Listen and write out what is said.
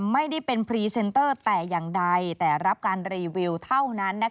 ไม่ได้เป็นพรีเซนเตอร์แต่อย่างใดแต่รับการรีวิวเท่านั้น